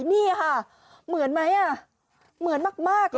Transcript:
นี่ค่ะเหมือนไหมอ่ะเหมือนมาก